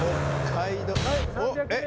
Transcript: えっ？